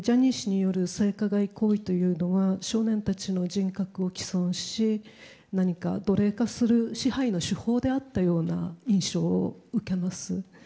ジャニー氏によるジャニー氏による性加害問題というのが少年たちの性格を棄損し何か奴隷化する支配の手法であったような印象を受けます。